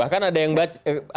bahkan ada yang baca